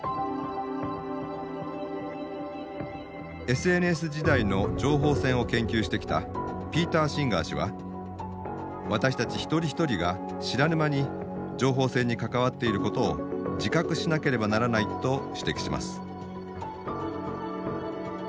ＳＮＳ時代の情報戦を研究してきたピーター・シンガー氏は私たち一人一人が知らぬ間に情報戦に関わっていることを自覚しなければならないと指摘します。